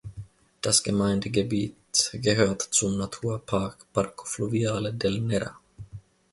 Das Gemeindegebiet gehört zum Naturpark "Parco Fluviale del Nera".